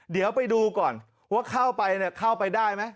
เดี๋ยวไปดูก่อนว่าเข้าไปเข้าไปได้ไหม